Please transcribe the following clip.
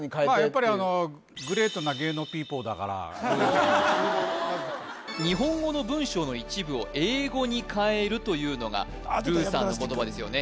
やっぱりあのだから日本語の文章の一部を英語にかえるというのがルーさんの言葉ですよね